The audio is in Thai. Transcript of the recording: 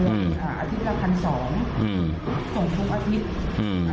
อาทิตย์ละพันสองอืมส่งทุกอาทิตย์